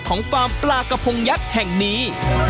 ฟาร์มปลากระพงยักษ์แห่งนี้